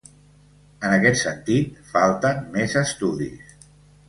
En aquest sentit, falten més estudis.